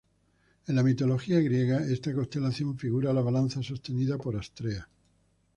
En la mitología griega, esta constelación figura la balanza sostenida por Astrea.